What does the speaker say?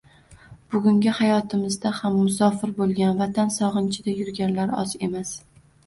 Bugungi hayotmizda ham musofir bo‘lib vatan sog‘inchida yurganlar oz emas